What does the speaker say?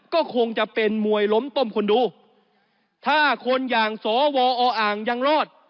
ก็คงจะเป็นมวยล้มต้มคนดูถ้าคนอย่างสวออ่างยังรอด